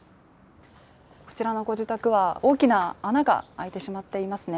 こちらのご自宅は大きな穴が開いてしまっていますね。